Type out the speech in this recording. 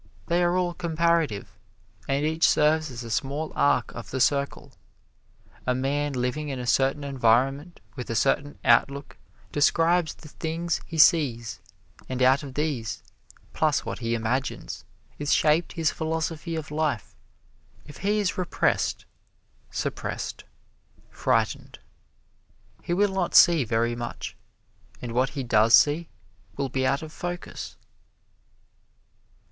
They are all comparative, and each serves as a small arc of the circle. A man living in a certain environment, with a certain outlook, describes the things he sees; and out of these, plus what he imagines, is shaped his philosophy of life. If he is repressed, suppressed, frightened, he will not see very much, and what he does see will be out of focus.